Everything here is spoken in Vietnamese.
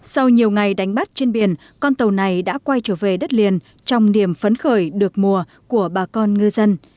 sau nhiều ngày đánh bắt trên biển con tàu này đã quay trở về đất liền trong điểm phấn khởi được mùa của bà con ngư dân